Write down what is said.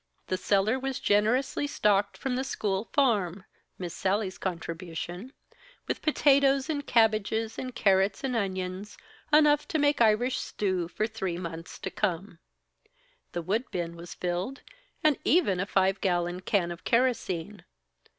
The cellar was generously stocked from the school farm Miss Sallie's contribution with potatoes and cabbages and carrots and onions, enough to make Irish stew for three months to come. The woodbin was filled, and even a five gallon can of kerosene.